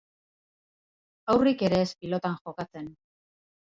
Haurrik ere ez pilotan jokatzen.